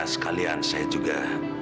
sekalian saya juga